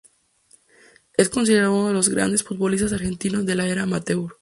Es considerado uno de los grandes futbolistas argentinos de la era amateur.